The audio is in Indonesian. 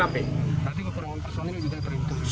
tapi keperluan personil juga terhitung